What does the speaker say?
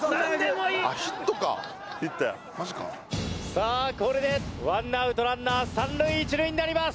さあこれでワンアウトランナー三塁一塁になります。